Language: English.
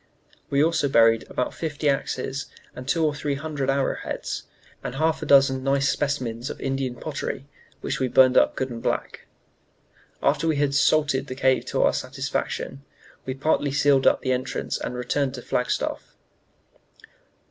We also buried about fifty axes and two or three hundred arrow heads, and half a dozen nice specimens of Indian pottery, which we burned up good and black. "After we had 'salted' the cave to our satisfaction, we partly sealed up the entrance and returned to Flagstaff."